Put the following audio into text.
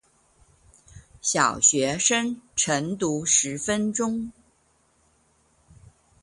小學生晨讀十分鐘